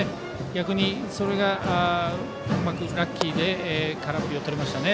逆に、それがラッキーで空振りをとれましたね。